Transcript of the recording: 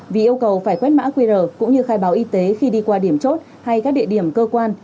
vì yêu cầu phải quét mã qr cũng như khai báo y tế khi đi qua điểm chốt hay các địa điểm cơ quan